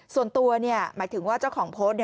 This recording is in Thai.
ส่วนตัวหมายถึงว่าเจ้าของโพสต์